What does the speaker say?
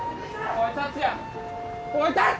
おい達哉！